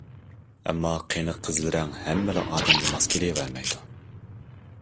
ئەمما قېنىق قىزىل رەڭ ھەممىلا ئادەمگە ماس كېلىۋەرمەيدۇ.